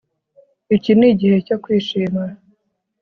Iki ni igihe cyo kwishima